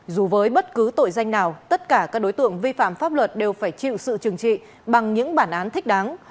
dù với bất cứ tội danh nào tất cả các đối tượng vi phạm pháp luật đều phải chịu sự trừng trị bằng những bản án thích đáng